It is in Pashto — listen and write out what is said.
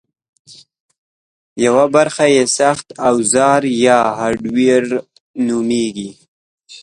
یوه برخه یې سخت اوزار یا هارډویر نومېږي